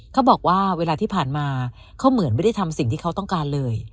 เขาบอกว่าเวลาที่ผ่านมาเขาเหมือนไม่ได้ทำสิ่งที่เขาต้องการเลย